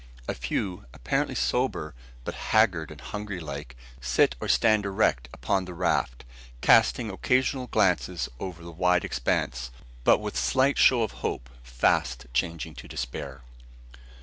A few, apparently sober, but haggard and hungry like, sit or stand erect upon the raft, casting occasional glances over the wide expanse, with but slight show of hope, fast changing to despair.